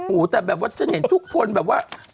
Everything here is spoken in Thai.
หูแต่แบบว่าจะเห็นทุกคนแบบว่า